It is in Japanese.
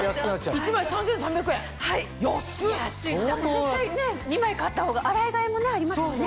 絶対２枚買ったほうが洗い替えもありますしね。